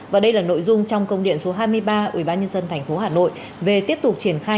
và đây là nội dung trong công điện số hai mươi ba ubnd tp hà nội về tiếp tục triển khai